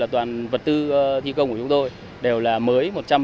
toàn vật tư thi công của chúng tôi đều là mới một trăm linh